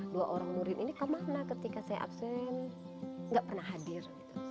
dua orang murid ini kemana ketika saya absen gak pernah hadir